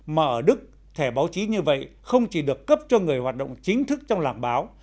mà ở đức thẻ báo chí như vậy không chỉ được cấp cho người hoạt động chính thức trong làm báo